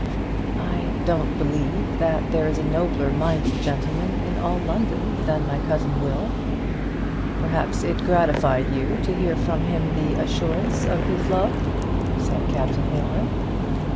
"I don't believe that there is a nobler minded gentleman in all London than my cousin Will." "Perhaps it gratified you to hear from him the assurance of his love?" said Captain Aylmer.